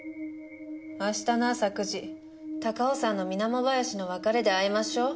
明日の朝９時高尾山の水面林の別れで会いましょう。